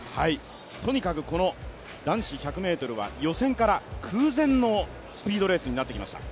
とにかく男子１００ｍは予選から空前のスピードレースになってきました。